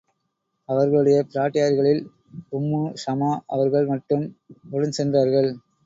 அவர்களுடைய பிராட்டியார்களில் உம்மு ஸமா அவர்கள் மட்டும் உடன் சென்றார்கள்.